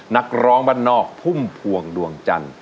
นักร้องบ้านนอกพุ่มพวงดวงจันทร์